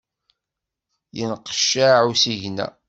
Yenqeccaε usigna.